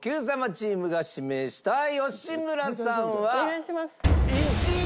チームが指名した吉村さんは１位。